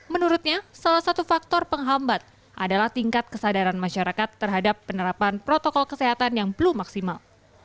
menurutnya salah satu faktor penghambat adalah tingkat kesadaran masyarakat terhadap penerapan protokol kesehatan yang belum maksimal